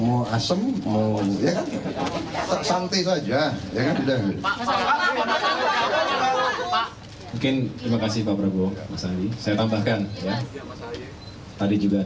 kamu asem mau ya santai saja dengan udah mungkin terima kasih pak prabowo saya tambahkan tadi juga